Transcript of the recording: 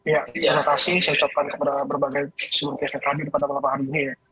ya terima kasih saya ucapkan kepada berbagai sumber pihak kehadir pada beberapa hari ini ya